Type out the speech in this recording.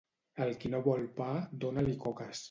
Al qui no vol pa, dona-li coques.